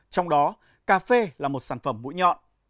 trong đó cà phê là một sản phẩm mũi nhọn